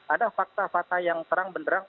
ada fakta fakta yang terang benderang